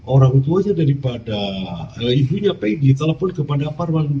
orang tuanya daripada ibunya pedi telepon kepada parman